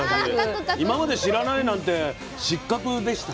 今まで知らないなんて「失格」でした。